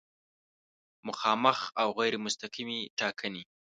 مخامخ او غیر مستقیمې ټاکنې